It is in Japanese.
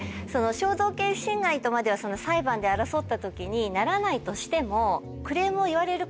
肖像権侵害とまでは裁判で争った時にならないとしても。